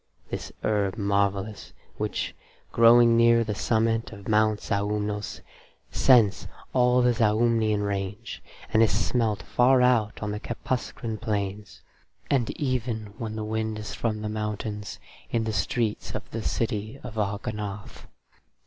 (This herb marvellous, which, growing near the summit of Mount Zaumnos, scents all the Zaumnian range, and is smelt far out on the Kepuscran plains, and even, when the wind is from the mountains, in the streets of the city of Ognoth.